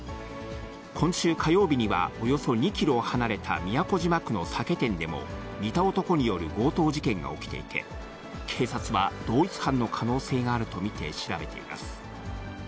今週火曜日にはおよそ２キロ離れた都島区の酒店でも、似た男による強盗事件が起きていて、警察は同一犯の可能性があると見て調べています。